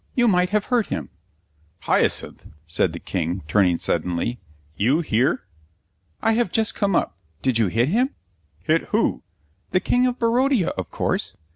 You might have hurt him." "Hyacinth," said the King, turning suddenly; "you here?" "I have just come up. Did you hit him?" "Hit who?" "The King of Barodia, of course."